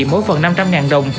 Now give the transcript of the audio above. mỗi phần năm trăm linh đồng